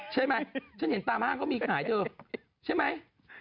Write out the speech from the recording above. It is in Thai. ใช่ไหมฉันเห็นตามห้างเขามีกระหน่ายเจอใช่ไหม